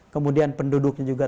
kemudian penduduknya juga